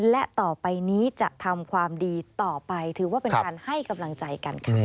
และต่อไปนี้จะทำความดีต่อไปถือว่าเป็นการให้กำลังใจกันค่ะ